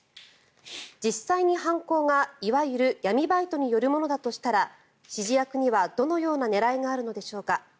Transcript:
実際に犯行がいわゆる闇バイトによるものだとしたら指示役にはどのような狙いがあるのでしょうか。